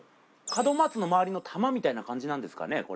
門松の周りの玉みたいな感じなんですかね？